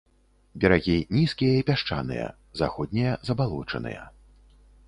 Берагі нізкія і пясчаныя, заходнія забалочаныя.